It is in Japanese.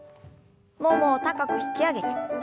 ももを高く引き上げて。